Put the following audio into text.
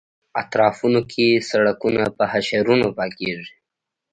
اطرافونو کې سړکونه په حشرونو پاکېږي.